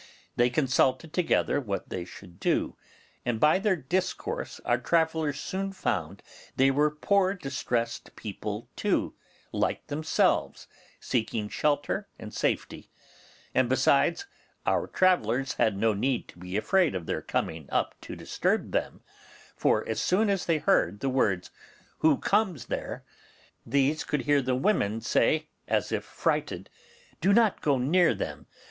They consulted together what they should do, and by their discourse our travellers soon found they were poor, distressed people too, like themselves, seeking shelter and safety; and besides, our travellers had no need to be afraid of their coming up to disturb them, for as soon as they heard the words, 'Who comes there?' these could hear the women say, as if frighted, 'Do not go near them.